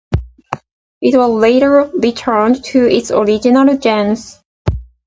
It was later returned to its original genus.